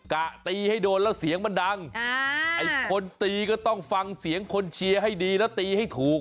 กะตีให้โดนแล้วเสียงมันดังไอ้คนตีก็ต้องฟังเสียงคนเชียร์ให้ดีแล้วตีให้ถูก